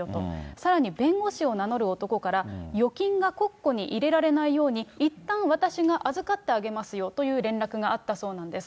さらに弁護士を名乗る男から、預金が国庫に入れられないように、いったん、私が預かってあげますよという連絡があったそうなんです。